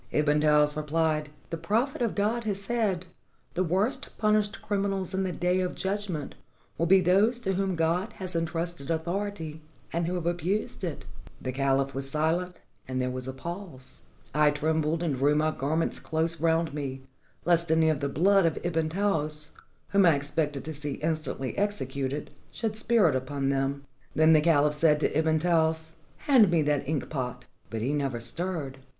Ibn Taous repHed: 'The Prophet of God has said, "The worst punished criminals in the Day of Judgment will be those to whom God has en trusted authority and who have abused it." ' The caliph 507 ARABIA was silent, and there was a pause. I trembled, and drew my garments close round' me, lest any of the blood of Ibn Taous, whom I expected to see instantly executed, should spirt upon them. Then the cahph said to Ibn Taous: 'Hand me that ink pot.' But he never stirred.